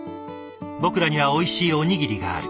僕らにはおいしいおにぎりがある。